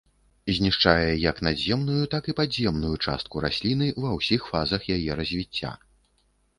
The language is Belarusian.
Знішчае як надземную, так і падземную часткі расліны ва ўсіх фазах яе развіцця.